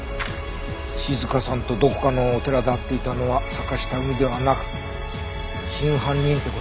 静香さんとどこかのお寺で会っていたのは坂下海ではなく真犯人って事になるね。